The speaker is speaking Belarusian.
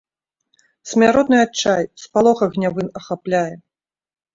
Смяротны адчай, спалох агнявы ахапляе.